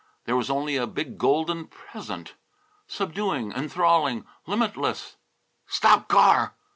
There was only a big golden Present, subduing, enthralling, limitless! "Stop car!"